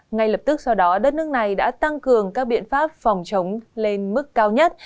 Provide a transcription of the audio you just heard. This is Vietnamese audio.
ngay lập tức sau đó đất nước này đã tăng cường các biện pháp phòng chống lên mức cao nhất